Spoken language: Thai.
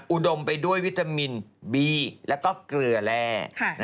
อุดมไปด้วยวิตามินบีแล้วก็เกลือแร่